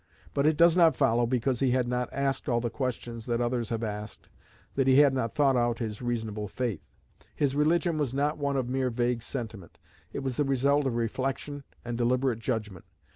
But it does not follow, because he had not asked all the questions that others have asked, that he had not thought out his reasonable faith. His religion was not one of mere vague sentiment: it was the result of reflection and deliberate judgment.